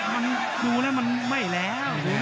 มันดูแล้วมันไม่แล้ว